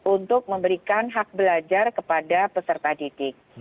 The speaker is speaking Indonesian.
untuk memberikan hak belajar kepada peserta didik